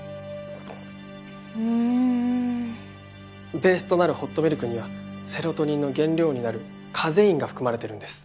ベースとなるホットミルクにはセロトニンの原料になるカゼインが含まれてるんです。